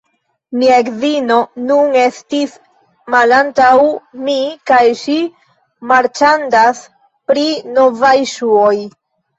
Mia edzino nun estas malantaŭ mi kaj ŝi marĉandas pri novaj ŝuoj